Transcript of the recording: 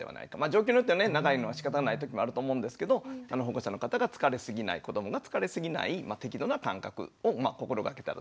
状況によってね長いのはしかたない時もあると思うんですけど保護者の方が疲れすぎない子どもが疲れすぎない適度な間隔をうまく心がけたらどうかなと思いますね。